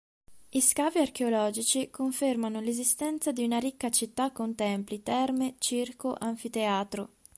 Gli scavi archeologici confermano l'esistenza di una ricca città con templi, terme, circo, anfiteatro.